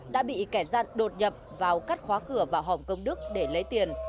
đã bị kẻ gian đột nhập vào cắt khóa cửa và hòm công đức để lấy tiền